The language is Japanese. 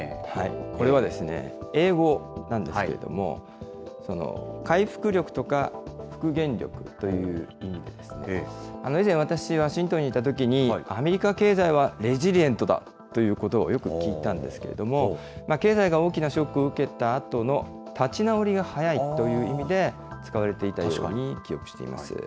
これはですね、英語なんですけれども、回復力とか復元力という意味ですけれども、以前、私、ワシントンにいたときに、アメリカ経済はレジリエントだということばをよく聞いたんですけれども、経済が大きなショックを受けたあとの立ち直りが早いという意味で、使われていたように記憶しています。